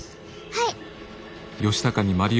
はい。